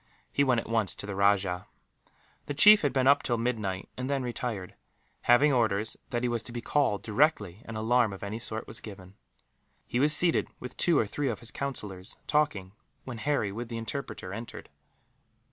He went at once to the rajah. The chief had been up till midnight, and then retired; leaving orders that he was to be called, directly an alarm of any sort was given. He was seated with two or three of his councillors, talking, when Harry, with the interpreter, entered.